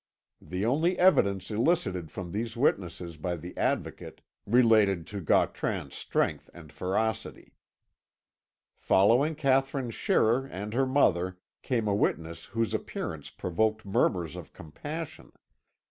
The only evidence elicited from these witnesses by the Advocate related to Gautran's strength and ferocity. Following Katherine Scherrer and her mother came a witness whose appearance provoked murmurs of compassion.